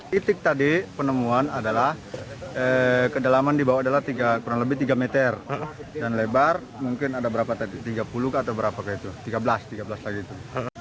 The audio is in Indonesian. titik tadi penemuan adalah kedalaman di bawah adalah kurang lebih tiga meter dan lebar mungkin ada berapa tadi tiga puluh atau berapa ke itu tiga belas tiga belas lagi itu